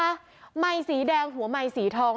มันให้สีแดงหัวมันให้สีทอง